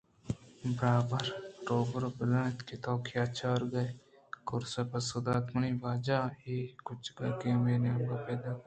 روباہ ءَ درّائینت تو کیا چارگائے؟ کُروس ءَ پسّہ دات منی واجہ ئے کُچکّ ءَ کہ ہمے نیمگا پیداک اِنت